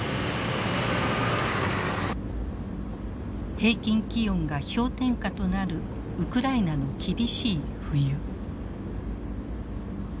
平均気温が氷点下となるウクライナの厳しい冬。